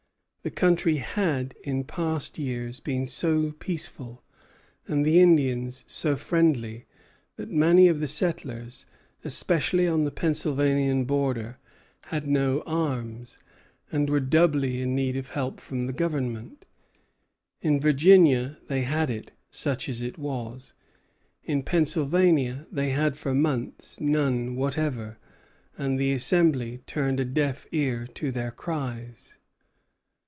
The country had in past years been so peaceful, and the Indians so friendly, that many of the settlers, especially on the Pennsylvanian border, had no arms, and were doubly in need of help from the Government. In Virginia they had it, such as it was. In Pennsylvania they had for months none whatever; and the Assembly turned a deaf ear to their cries.